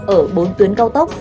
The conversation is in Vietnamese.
ở bốn tuyến cao tốc